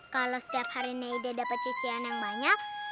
kalau setiap hari neda dapet cucian yang banyak